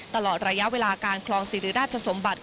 ตลอดระยะเวลาการคลองศิริราชสมบัติ